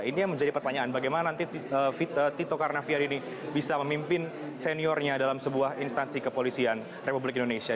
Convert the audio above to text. ini yang menjadi pertanyaan bagaimana nanti tito karnavian ini bisa memimpin seniornya dalam sebuah instansi kepolisian republik indonesia